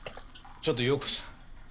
ちょっと陽子さんん？